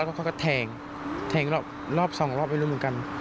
แล้วก็เขาก็แทงแทงรอบ๒รอบไปร่วมกัน